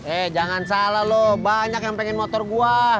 eh jangan salah loh banyak yang pengen motor gua